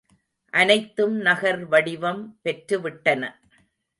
அனைத்தும் நகர் வடிவம் பெற்று விட்டன.